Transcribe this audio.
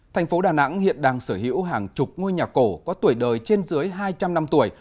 thành phố đà nẵng hiện đang sở hữu hàng chục ngôi nhà cổ có tuổi đời trên dưới hai trăm linh năm tuổi